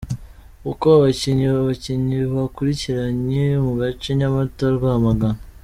Uko abakinnyi abakinnyi bakurikiranye mu gace Nyamata-Rwamagana